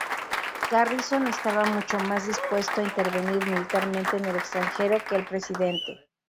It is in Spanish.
Garrison estaba mucho más dispuesto a intervenir militarmente en el extranjero que el presidente.